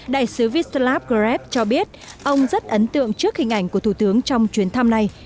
đại sứ vectap grev cho biết ông rất ấn tượng trước hình ảnh của thủ tướng trong chuyến thăm này